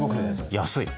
安い！